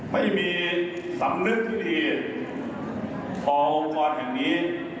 ไม่มีสำนึกที่ดีพอองค์กรแห่งนี้